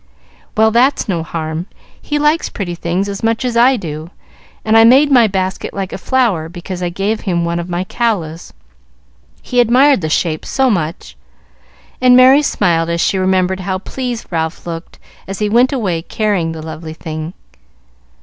"Well, that's no harm. He likes pretty things as much as I do, and I made my basket like a flower because I gave him one of my callas, he admired the shape so much;" and Merry smiled as she remembered how pleased Ralph looked as he went away carrying the lovely thing.